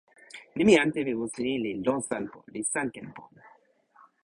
nimi ante pi musi ni li Losanpo, li Sankenpon.